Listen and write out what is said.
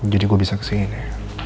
jadi gue bisa kesini